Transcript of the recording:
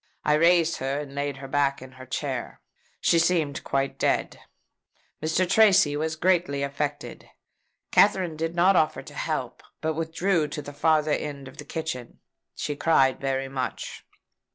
I raised her, and laid her back in her chair. She seemed quite dead. Mr. Tracy was greatly affected. Katherine did not offer to help, but withdrew to the farther end of the kitchen. She cried very much.